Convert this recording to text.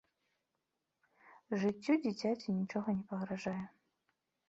Жыццю дзіцяці нічога не пагражае.